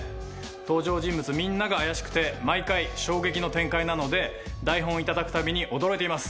登場人物みんなが怪しくて毎回衝撃の展開なので台本頂くたびに驚いています。